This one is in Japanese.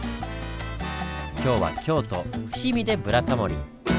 今日は京都・伏見で「ブラタモリ」。